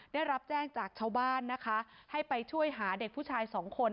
ได้รับแจ้งจากชาวบ้านนะคะให้ไปช่วยหาเด็กผู้ชายสองคน